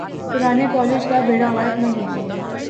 پرانے کالج کا بیڑہ غرق نہ کیجئے۔